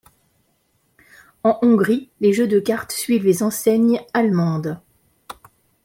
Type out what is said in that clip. En Hongrie, les jeux de cartes suivent les enseignes allemandes.